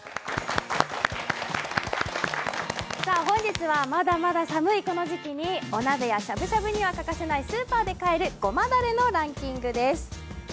本日は、まだまだ寒いこの時期にお鍋やしゃぶしゃぶに欠かせないスーパーで買えるごまだれのランキングです。